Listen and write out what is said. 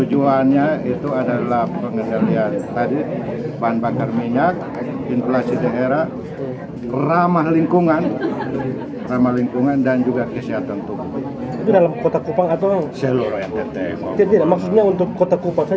jalan jalan kaki enggak mau sehat sehat